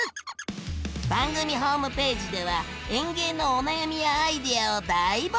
番組ホームページでは園芸のお悩みやアイデアを大募集！